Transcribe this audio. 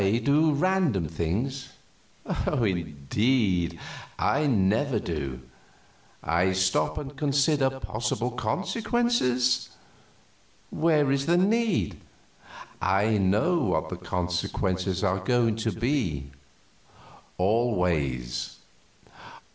I do random things? Indeed, I never do. I stop and consider possible consequences? Where is the need? I know what the consequences are going to be always."